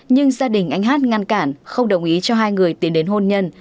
nhưng gia đình anh hát ngăn cản không đồng ý cho hai người tiến đến hôn nhân